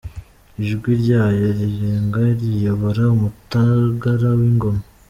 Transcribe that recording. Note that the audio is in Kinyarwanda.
Ijwi ryayo rirenga riyobora umutagara w’ingoma :.